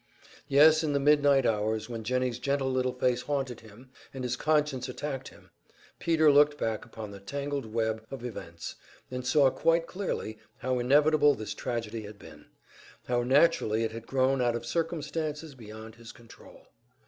Yes, in the midnight hours when Jennie's gentle little face haunted him and his conscience attacked him, Peter looked back upon the tangled web of events, and saw quite clearly how inevitable this tragedy had been, how naturally it had grown out of circumstances beyond his control.